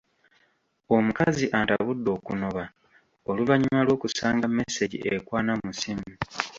Omukazi antabudde okunoba oluvannyuma lw'okusanga mesegi ekwana mu ssimu.